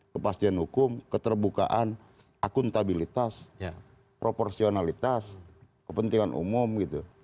kepastian hukum keterbukaan akuntabilitas proporsionalitas kepentingan umum gitu